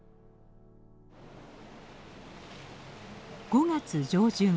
５月上旬。